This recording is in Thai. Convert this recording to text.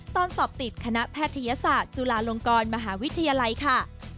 ตอนสอบติดคณะแพทยศาสตร์จุฬาลงกรมหาวิทยาลัยค่ะ